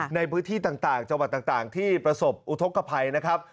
ในพื้นที่ต่างจังหวัดต่างที่ประสบอุทธกภัยนะครับ